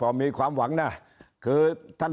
ไม่มีใครโทรหาท่าน